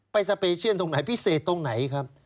สเปเชียนตรงไหนพิเศษตรงไหนครับ